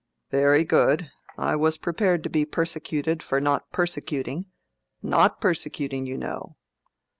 "Very good. I was prepared to be persecuted for not persecuting—not persecuting, you know."